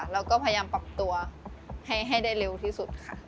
เราก็พยายามปรับตัวให้ได้เร็วที่สุดค่ะ